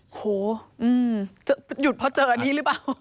โอ้โหจะหยุดเพราะเจออันนี้หรือเปล่า